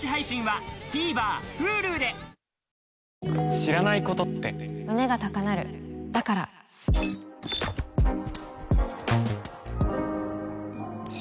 知らないことって胸が高鳴るだからじ。